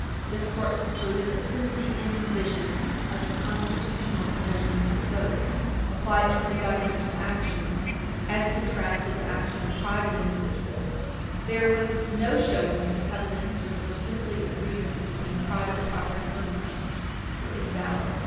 This Court concluded that, since the inhibitions of the constitutional provisions invoked apply only to governmental action, as contrasted to action of private individuals, there was no showing that the covenants, which were simply agreements between private property owners, were invalid.